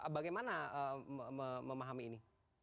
bagaimana memahami ini